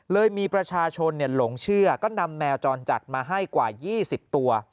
เลยมีประชาชนหลงเชื่อก็นำแมวจรจัดมาให้กว่า๒๐ตัว